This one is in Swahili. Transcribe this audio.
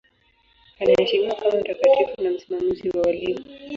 Anaheshimiwa kama mtakatifu na msimamizi wa walimu.